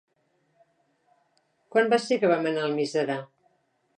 Quan va ser que vam anar a Almiserà?